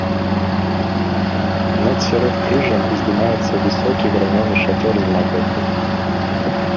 Над сяродкрыжжам уздымаецца высокі гранёны шацёр з макаўкай.